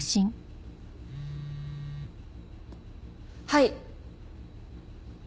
はい。